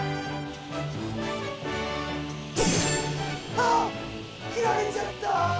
あっ切られちゃった。